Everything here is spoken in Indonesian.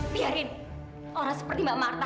biarin orang seperti mbak marta